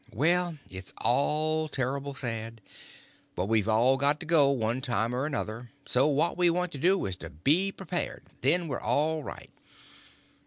"Well, it's all terrible sad; but we've all got to go, one time or another. So what we want to do is to be prepared; then we're all right."